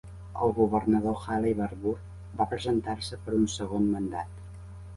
El governador Haley Barbour va presentar-se per un segon mandat.